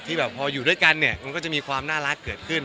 แบบพออยู่ด้วยกันเนี่ยมันก็จะมีความน่ารักเกิดขึ้น